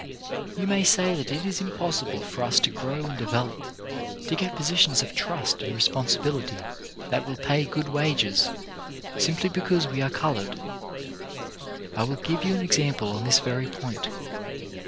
You may say that it is impossible for us to grow and develop, to get positions of trust and responsi bility that will pay good wages, simply because we are coloured. I will give you an example on this very point.